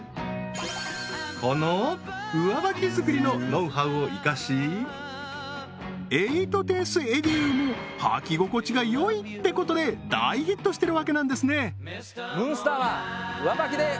この上ばき作りのノウハウを生かし８１０ｓＥＤＵも履き心地が良いってことで大ヒットしてるわけなんですね